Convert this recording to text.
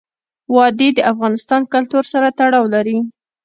وادي د افغان کلتور سره تړاو لري.